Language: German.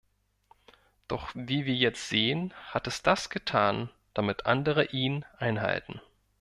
Doch wie wir jetzt sehen, hat es das getan, damit andere ihn einhalten.